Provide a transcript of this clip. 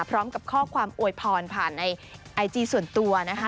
พร้อมกับข้อความอวยพรผ่านในไอจีส่วนตัวนะคะ